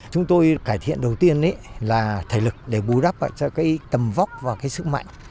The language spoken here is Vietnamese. chúng tôi cải thiện đầu tiên là thể lực để bù đắp cho cái tầm vóc và cái sức mạnh